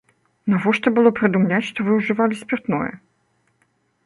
Навошта было прыдумляць, што вы ўжывалі спіртное?